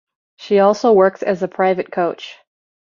She also works as a private coach.